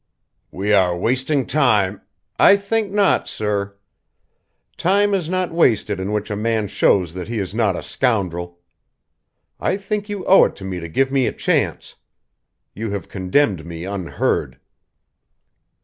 "We are wasting time " "I think not, sir! Time is not wasted in which a man shows that he is not a scoundrel! I think you owe it to me to give me a chance. You have condemned me unheard."